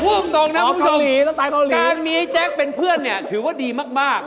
พูดตรงนะคุณผู้ชมการมีแจ๊คเป็นเพื่อนเนี่ยถือว่าดีมาก